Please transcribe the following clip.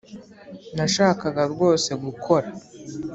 nashakaga rwose gukora